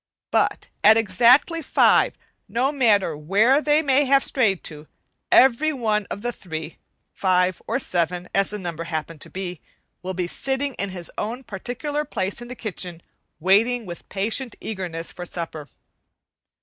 But at exactly five, no matter where they may have strayed to, every one of the three, five, or seven (as the number may happen to be) will be sitting in his own particular place in the kitchen, waiting with patient eagerness for supper.